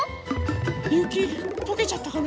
ゆきとけちゃったかな？